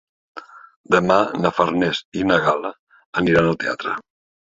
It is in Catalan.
Demà na Farners i na Gal·la aniran al teatre.